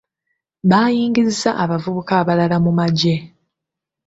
Baayingizza abavubuka abalala mu magye.